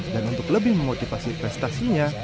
dan untuk lebih memotivasi prestasinya